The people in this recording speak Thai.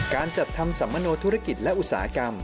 การจัดทำสัมมโนธุรกิจและอุตสาหกรรม